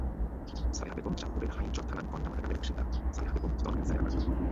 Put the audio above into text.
ছালেহা বেগমচাঁদপুরের হাইমচর থানার গণ্ডামারা গ্রামের বাসিন্দা ছালেহা বেগম স্তন ক্যানসারে আক্রান্ত।